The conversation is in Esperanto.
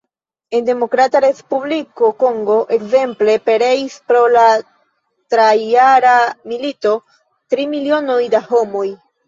En Demokrata Respubliko Kongo, ekzemple, pereis pro la trijara milito tri milionoj da homoj.